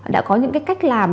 đã có những cái cách làm